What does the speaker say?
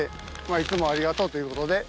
いつもありがとうということで。